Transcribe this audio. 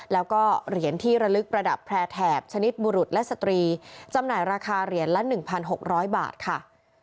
แล้วก็เหรียญที่ระลึกประดับแพร่แถบชนิดบุรุษและสตรีจำหน่ายราคาเหรียญละ๑๖๐๐บาทค่ะ